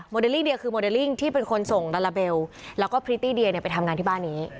เลลี่เดียคือโมเดลลิ่งที่เป็นคนส่งลาลาเบลแล้วก็พริตตี้เดียเนี่ยไปทำงานที่บ้านนี้